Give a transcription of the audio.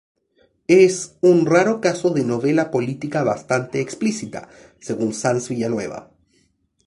Es "un raro caso de novela política bastante explícita", según Sanz Villanueva.